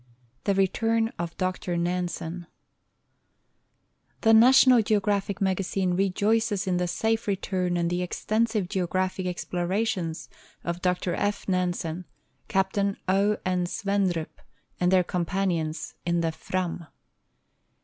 THE RETURN OF DR NANSEN The National Geographic Magazine rejoices in the safe return and in the extensive geographic explorations of Dr F. Nansen, Captain O. N. Svendrup, and their companions in the Fram.